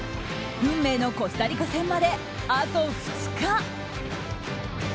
運命のコスタリカ戦まであと２日。